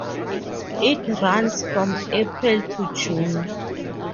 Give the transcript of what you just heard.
It runs from April to June.